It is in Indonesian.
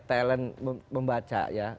talent membaca ya